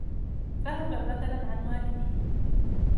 ذهب بدلاً عن والده.